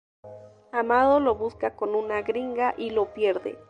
Amado lo busca con una gringa y lo pierde.